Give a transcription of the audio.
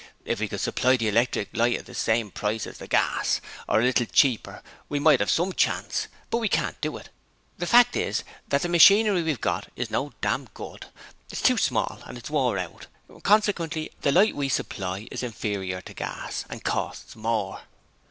'If we could supply the electric light at the same price as gas, or a little cheaper, we might have some chance; but we can't do it. The fact is that the machinery we've got is no dam good; it's too small and it's wore out, consequently the light we supply is inferior to gas and costs more.'